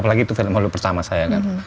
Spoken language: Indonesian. apalagi itu film holl pertama saya kan